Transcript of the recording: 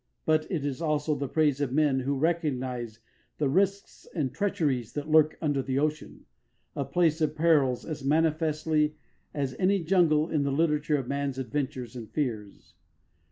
But it is also the praise of men who recognise the risks and treacheries that lurk under the ocean a place of perils as manifestly as any jungle in the literature of man's adventures and fears.